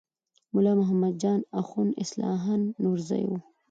ملا محمد جان اخوند اصلاً نورزی و.